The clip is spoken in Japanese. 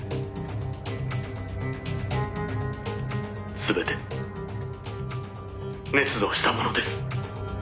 「全てねつ造したものです」